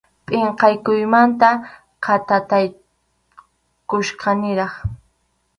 Pʼinqakuymanta khatatataykuchkaniraq.